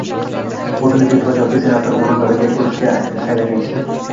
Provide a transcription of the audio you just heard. o‘zini deputat yoki senator o‘rindig‘ida ko‘rishga shaylangan kishi